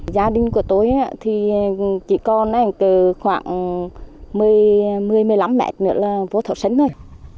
gia đình của tôi thì chỉ còn khoảng một mươi một mươi năm mét nữa là vô thổ sấn thôi